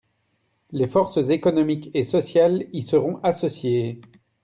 Les forces économiques et sociales y seront associées.